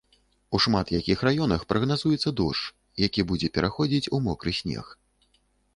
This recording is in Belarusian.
У шмат якіх раёнах прагназуецца дождж, які будзе пераходзіць у мокры снег.